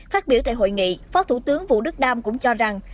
phát biểu tại hội nghị phó thủ tướng vũ đức đam cũng cho rằng